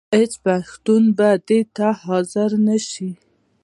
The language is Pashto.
هېڅ پښتون به دې ته حاضر نه شي.